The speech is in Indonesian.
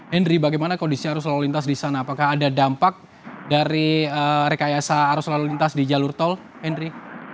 hendry bagaimana kondisi arus lalu lintas di sana apakah ada dampak dari rekayasa arus lalu lintas di jalur tol hendry